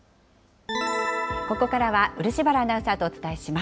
ここからは漆原アナウンサーとお伝えします。